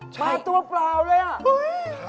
มาตัวเปล่าเลยอ่ะ